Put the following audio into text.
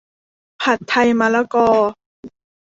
ผัดไทยมะละกอ